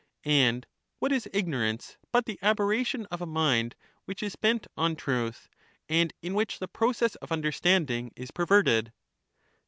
And what is ignorance but the ^aberration of a mind which is bent on truth, and in which the process of under standing is perverted